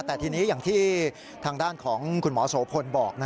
แต่ทีนี้อย่างที่ทางด้านของคุณหมอโสพลบอก